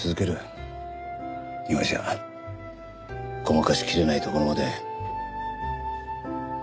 今じゃごまかしきれないところまで。